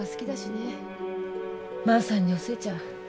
万さんにお寿恵ちゃん